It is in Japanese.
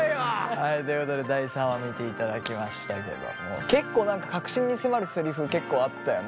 はいということで第３話見ていただきましたけども結構何か確信に迫るセリフ結構あったよね。